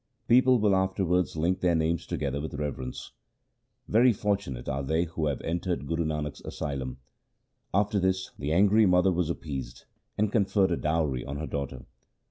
People will afterwards link their names together with reverence. Very fortunate are they who have entered Guru Nanak's asylum.' After this the angry mother was appeased, and con ferred a dowry on her daughter.